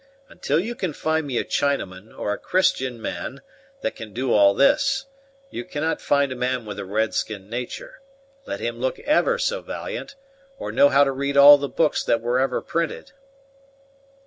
Until you can find me a Chinaman, or a Christian man, that can do all this, you cannot find a man with a red skin natur', let him look ever so valiant, or know how to read all the books that were ever printed."